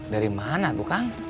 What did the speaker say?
dari mana itu kan